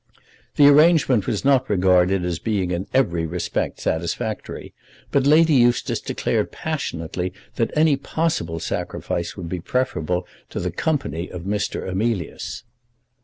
The arrangement was not regarded as being in every respect satisfactory, but Lady Eustace declared passionately that any possible sacrifice would be preferable to the company of Mr. Emilius.